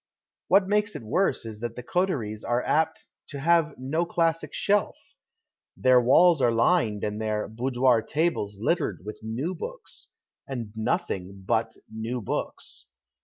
What makes it worse is that the coteries are apt to have no classic shelf. Their walls are lined :md their boudoir tables littered with new books, II nd nothing but new books.